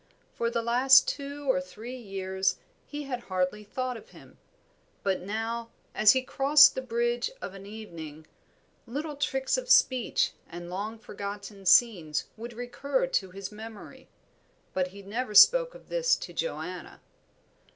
For the last two or three years he had hardly thought of him, but now, as he crossed the bridge of an evening, little tricks of speech and long forgotten scenes would recur to his memory; but he never spoke of this to Joanna.